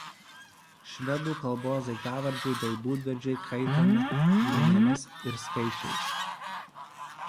Švedų kalbos daiktavardžiai bei būdvardžiai kaitomi giminėmis ir skaičiais.